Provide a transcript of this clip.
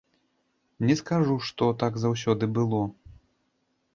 Не скажу што, так заўсёды было.